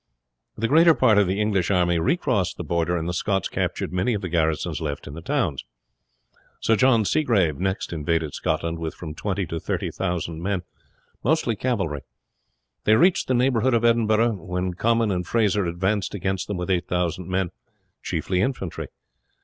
The greater part of the English army recrossed the Border, and the Scots captured many of the garrisons left in the towns. Sir John Seagrave next invaded Scotland with from 20,000 to 30,000 men, mostly cavalry. They reached the neighbourhood of Edinburgh, when Comyn and Fraser advanced against them with 8000 men, chiefly infantry.